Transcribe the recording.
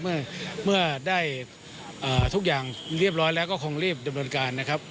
เมื่อได้ทุกอย่างเรียบร้อยแล้วก็คงรีบดำเนินการนะครับ